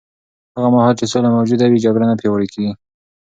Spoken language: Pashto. هغه مهال چې سوله موجوده وي، جګړه نه پیاوړې کېږي.